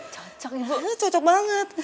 cocok ibu cocok banget